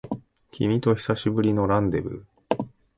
君と久しぶりのランデブー